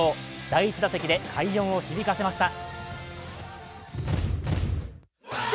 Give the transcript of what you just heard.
第２打席で快音を響かせました。